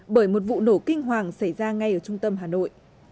bởi một vụ nổ kinh hoàng xảy ra ngay ở trung tâm hà nội